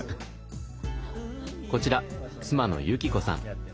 こちら妻の由紀子さん。